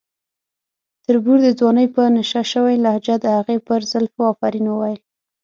تربور د ځوانۍ په نشه شوې لهجه د هغې پر زلفو افرین وویل.